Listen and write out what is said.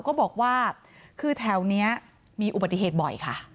ก็บอกว่าคือแถวนี้มีอุบัติเหตุบ่อยค่ะ